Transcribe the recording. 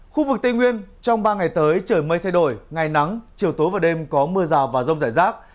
khu vực tây nguyên trong ba ngày tới trời mây thay đổi ngày nắng chiều tối và đêm có mưa rào và rông rải rác